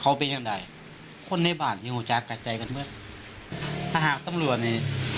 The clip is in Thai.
เขาเป็นอย่างใดคนในบ้านที่หูจักกัดใจกันเบิดถ้าหากตำรวจนี่